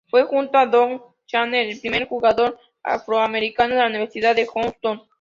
Fue, junto a Don Chaney, el primer jugador afroamericano de la Universidad de Houston.